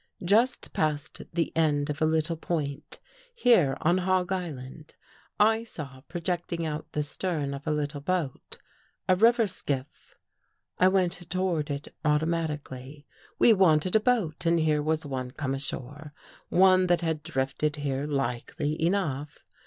Just past the end of a little point, here on Hog Island, I saw projecting out the stern of a little boat — a river skiff. I went toward it automatically. We wanted a boat, and here was one come ashore — one that had drifted here likely enough.